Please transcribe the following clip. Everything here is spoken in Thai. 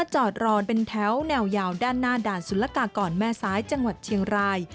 จอดรอนเป็นแถวแนวยาวด้านหน้าด่านสุรกากรแม่ซ้ายจังหวัดเชียงราย